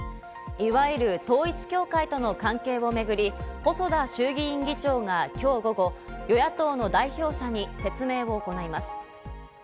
いわゆる統一教会との関係をめぐり、細田衆議院議長が今日午後、与野党の代表者に説明を行います。